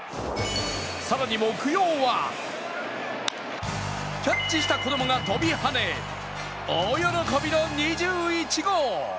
更に木曜はキャッチした子供が飛び跳ね大喜びの２１号。